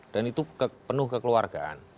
dan itu penuh kekeluargaan